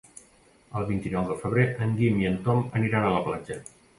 El vint-i-nou de febrer en Guim i en Tom aniran a la platja.